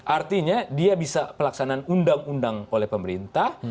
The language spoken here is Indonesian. artinya dia bisa pelaksanaan undang undang oleh pemerintah